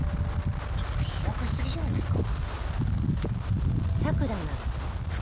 ちょっと飛躍しすぎじゃないですか？